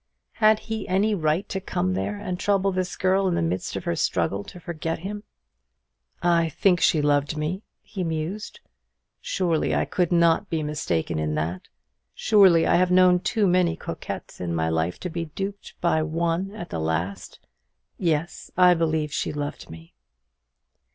Had he any right to come there and trouble this girl in the midst of her struggle to forget him? "I think she loved me," he mused; "surely I could not be mistaken in that; surely I have known too many coquettes in my life to be duped by one at the last! Yes, I believe she loved me."